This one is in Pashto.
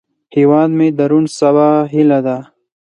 هیواد مې د روڼ سبا هیله ده